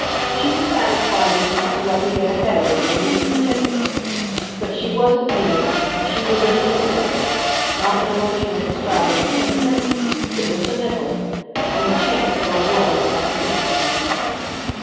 She was satisfied just not to let me get ahead of her in the least particular. But she wasn't mean, and she would lend me a nickel not an emotionally extravagant ten cent piece, but just a nickel on the chance that I was what I seemed to be.